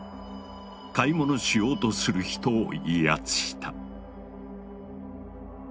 買い物しようとする人を威圧した。